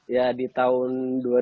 ya di tahun